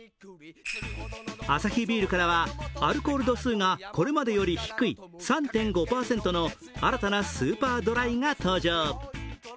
アサヒビールからはアルコール度数がこれまでよりも低い３．５％の新たなスーパードライが登場。